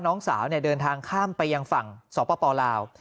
น้องสาวเดินทางข้ามไปยังฝั่งสปลาว